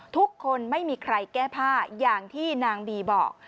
ไม่มีใครแก้ผ้าอย่างที่นางบีบอก